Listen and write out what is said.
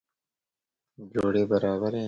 He later took over all of French radio intelligence.